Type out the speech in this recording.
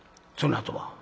「そのあとは？